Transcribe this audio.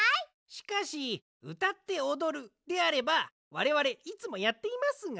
しかしうたっておどるであればわれわれいつもやっていますが。